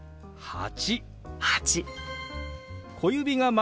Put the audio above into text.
「８」。